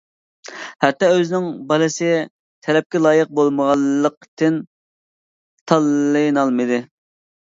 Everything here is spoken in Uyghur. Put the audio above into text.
ھەتتا ئۆزىنىڭ بالىسى تەلەپكە لايىق بولمىغانلىقتىن تاللىنالمىدى.